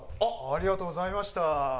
ありがとうございます。